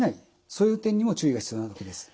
そういう点にも注意が必要なわけです。